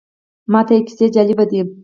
ماته یې کیسې جالبه دي.